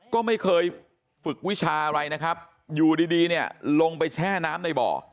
ก็ไม่เคยฝึกวิชาอะไรนะครับอยู่ดีเนี่ยลงไปแช่น้ำในบ่อ